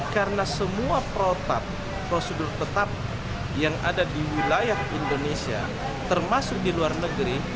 karena semua prototip prosedur tetap yang ada di wilayah indonesia termasuk di luar negeri